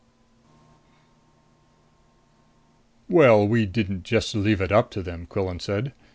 12 "Well, we didn't just leave it up to them," Quillan said.